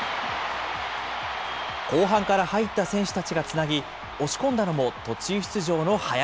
後半から入った選手たちがつなぎ、押し込んだのも途中出場の林。